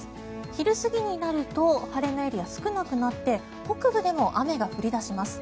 昼過ぎになると晴れのエリア少なくなって北部でも雨が降り出します。